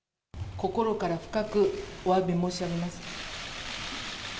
心から深くおわび申し上げます。